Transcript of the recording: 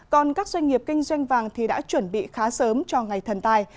còn các doanh nghiệp kinh doanh vàng thì đã chuẩn bị khá sớm cho ngày thần tài